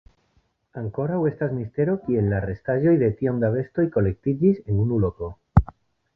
Ankoraŭ estas mistero kiel la restaĵoj de tiom da bestoj kolektiĝis en unu loko.